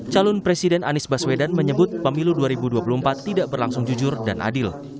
calon presiden anies baswedan menyebut pemilu dua ribu dua puluh empat tidak berlangsung jujur dan adil